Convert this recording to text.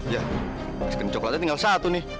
ya es krim coklatnya tinggal satu nih